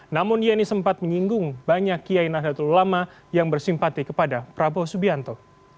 namun yeni sempat menyinggung banyak kiai nahdlatul ulama yang bersimpati kepada prabowo subianto